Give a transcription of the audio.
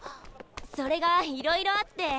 それがいろいろあって。